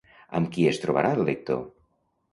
Amb qui es trobarà el lector?